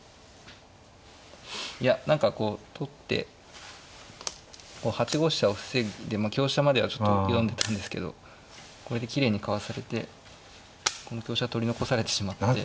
いや何かこう取って８五飛車を防いでまあ香車まではちょっと読んでたんですけどこれできれいにかわされてこの香車取り残されてしまって。